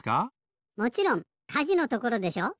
もちろんかじのところでしょ？